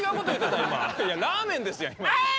いやラーメンですやん今の。